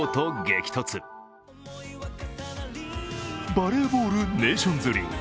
バレーボールネーションズリーグ。